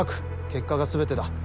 結果が全てだ。